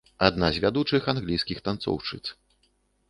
Адна з вядучых англійскіх танцоўшчыц.